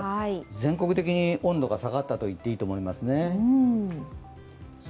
全国的に温度が下がったと言っていいと思いますね。